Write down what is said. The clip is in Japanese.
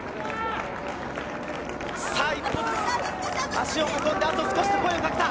さあ一歩ずつ足を運んで、あと少し！と声をかけた。